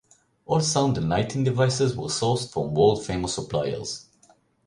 All sound and lighting devices were sourced from world famous suppliers.